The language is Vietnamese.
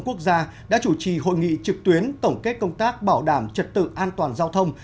quốc gia đã chủ trì hội nghị trực tuyến tổng kết công tác bảo đảm trật tự an toàn giao thông